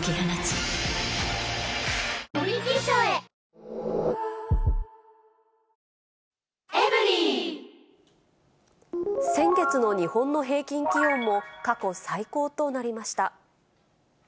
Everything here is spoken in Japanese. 過去最大の補助金も先月の日本の平均気温も過去最高となりました。